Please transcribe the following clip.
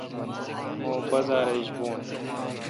مہ بازار ایج بون